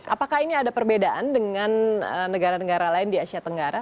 apakah ini ada perbedaan dengan negara negara lain di asia tenggara